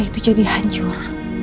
itu jadi hancur